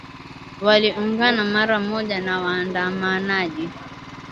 waliungana mara moja na waandamanaji